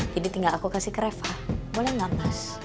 jadi tinggal aku kasih ke reva boleh nggak mas